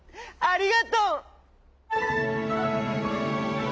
ありがとう！」。